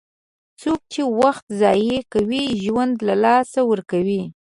څوک چې وخت ضایع کوي، ژوند له لاسه ورکوي.